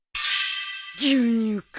牛乳か。